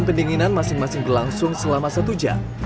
pendinginan masing masing berlangsung selama satu jam